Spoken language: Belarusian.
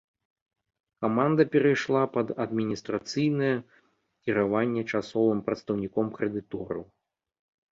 Каманда перайшла пад адміністрацыйнае кіраванне часовым прадстаўніком крэдытораў.